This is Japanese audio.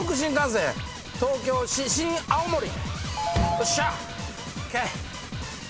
よっしゃ！ＯＫ。